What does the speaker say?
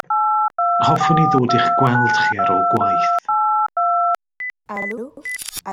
Hoffwn i ddod i'ch gweld chi ar ôl gwaith.